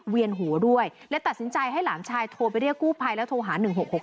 เวียนหัวด้วยเลยตัดสินใจให้หลานชายโทรไปเรียกกู้ภัยแล้วโทรหา๑๖๖